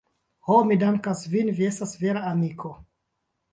Ho, mi dankas vin, vi estas vera amiko.